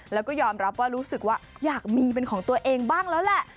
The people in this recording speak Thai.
แล้วก็ยอมรับว่ารู้สึกว่าอยากมีเป็นของตัวเองบ้างแล้วแหละ